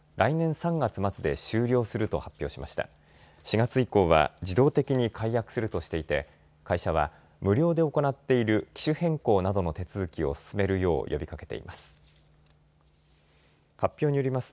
４月以降は自動的に解約するとしていて会社は無料で行っている機種変更などの手続きを進めるよう呼びかけています。